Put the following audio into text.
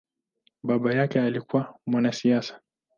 Baba yake alikua mwanasiasa.